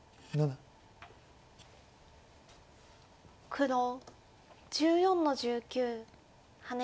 黒１４の十九ハネ。